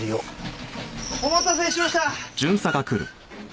お待たせしました！